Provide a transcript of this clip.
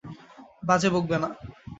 বাজে বকবে না।